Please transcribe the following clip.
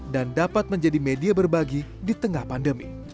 dan dapat menjadi media berbagi di tengah pandemi